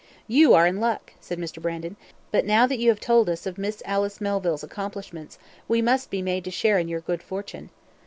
"You are in luck," said Mr. Brandon; "but now that you have told us of Miss Alice Melville's accomplishments, we must be made to share in your good fortune."